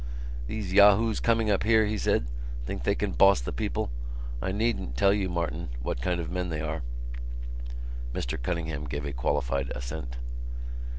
"These yahoos coming up here," he said, "think they can boss the people. I needn't tell you, Martin, what kind of men they are." Mr Cunningham gave a qualified assent.